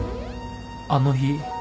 あの日